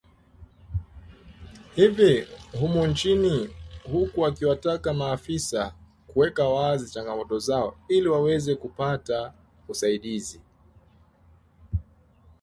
hivi humu nchini huku akiwataka maafisa kuweka wazi changamoto zao ili waweze kupata usaidizi